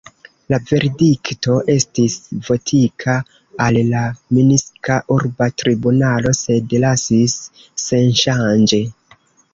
La verdikto estis vokita al la Minska urba tribunalo, sed lasis senŝanĝe.